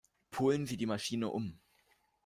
Polen Sie die Maschine um!